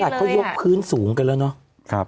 ขนาดเขาหยุดพื้นสูงกันแล้วเนอะ